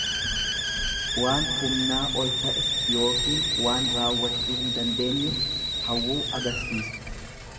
Waan humnaa ol ta'e yookiin waan raawwachuu hin dandeenye hawwuu agarsiisa.